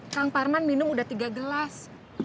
kang parman minum udah tiga gelas